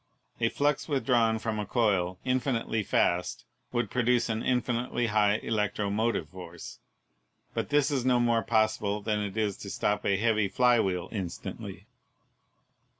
A flux withdrawn from a coil infinitely fast would produce an infinitely high elec tromotive force, but this is no more possible than it is to stop a heavy fly wheel instantly.